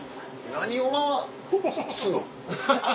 何を回すの？